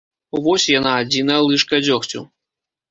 Вось яна, адзіная лыжка дзёгцю.